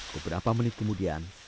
beberapa menit kemudian